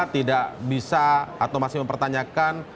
tidak bisa atau masih mempertanyakan